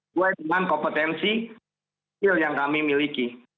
sesuai dengan kompetensi yang kami miliki